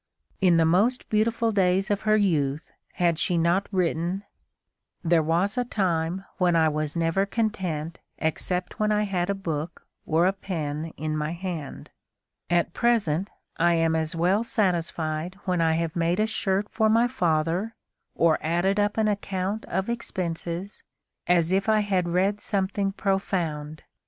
In the most beautiful days of her youth had she not written: "There was a time when I was never content except when I had a book or a pen in my hand; at present I am as well satisfied when I have made a shirt for my father or added up an account of expenses as if I had read something profound.